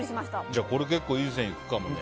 じゃあこれ結構いい線いくかもね。